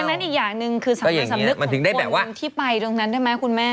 นั้นอีกอย่างหนึ่งคือสามัญสำนึกของคนที่ไปตรงนั้นได้ไหมคุณแม่